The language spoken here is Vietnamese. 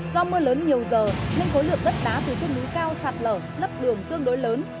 do mưa lớn nhiều giờ nên khối lượng đất đá từ trên núi cao sạt lở lấp đường tương đối lớn